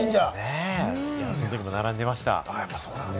その時も並んでました。